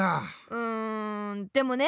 うんでもね